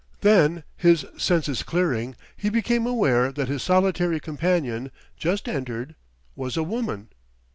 Then, his senses clearing, he became aware that his solitary companion, just entered, was a woman.